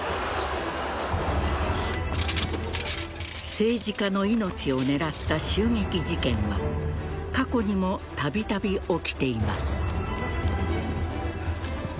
政治家の命を狙った襲撃事件は過去にもたびたび起きています。